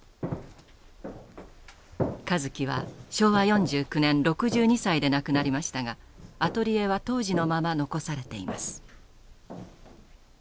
香月は昭和４９年６２歳で亡くなりましたがアトリエは当時のまま残されています。